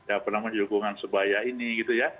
apa namanya dukungan sebaya ini gitu ya